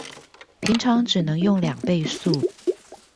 平常只能用兩倍速